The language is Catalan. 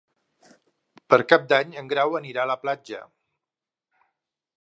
Per Cap d'Any en Grau anirà a la platja.